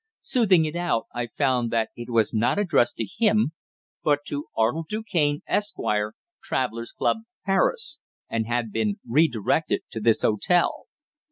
Smoothing it out, I found that it was not addressed to him, but to "Arnold Du Cane, Esq., Travellers' Club, Paris," and had been re directed to this hotel.